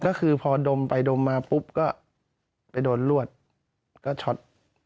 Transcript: ก็คือพอดมไปดมมาปุ๊บก็ไปโดนลวดก็ช็อต